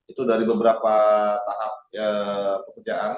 itu dari beberapa tahap pekerjaan